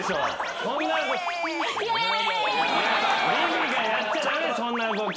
理事がやっちゃ駄目そんな動き。